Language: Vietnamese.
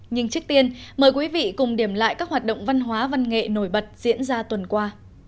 nhưng trước tiên mời quý vị cùng điểm lại các hoạt động văn hóa văn nghệ nổi bật diễn ra tuần qua